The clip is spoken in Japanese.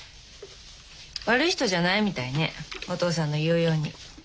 悪い人じゃないみたいねお義父さんの言うように。